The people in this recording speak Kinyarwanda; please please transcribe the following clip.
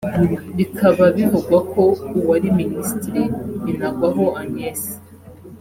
bikaba bivugwa ko uwari Minisitiri Binagwaho Agnes